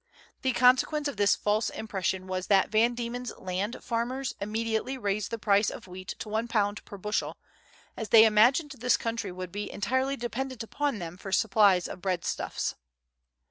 The consequence of this false impression was that the Van Diemen's Land farmers immediately raised the price of wheat to 1 per bushel, as they imagined this country would be entirely dependent upon them for supplies of breadstuff's.